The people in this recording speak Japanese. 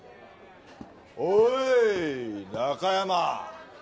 おい中山！